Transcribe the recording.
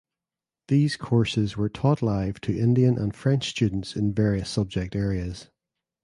These courses were taught live to Indian and French students in various subject areas.